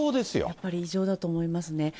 やっぱり異常だと思いますね。